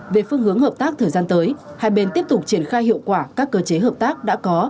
về phương hướng hợp tác thời gian tới hai bên tiếp tục triển khai hiệu quả các cơ chế hợp tác đã có